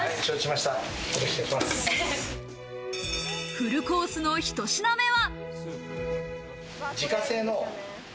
フルコースの１品目は。